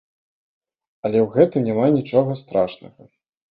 Але ў гэтым няма нічога страшнага.